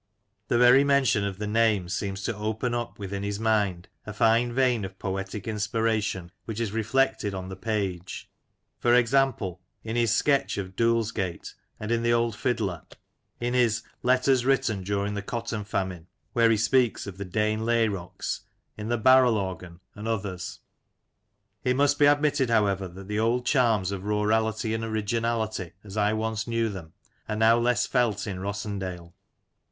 The very mention of the name seems to open up within his mind a fine vein of poetic inspiration which is reflected on the page. For example, in his sketch of " Dulesgate " and in " The Old Fiddler," in his " Letters written during the Cotton Famine," where he 140 Lancashire Characters and Places. speaks of the " Deighn Layrocks," in " The Barrel Organ," and others. It must be admitted, however, that the old charms of rurality and originality as I once knew them, are now less felt in Rossendale.